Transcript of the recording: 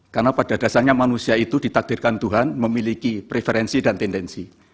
karena pada dasarnya manusia itu ditakdirkan tuhan memiliki preferensi dan tendensi